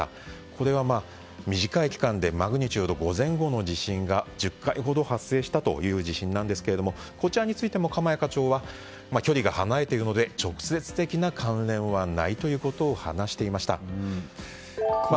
これは短い時間でマグニチュード５前後の地震が１０回ほど発生したという地震なんですけれどもこちらについても鎌谷課長は距離が離れているので直接的な関連はないと話していました。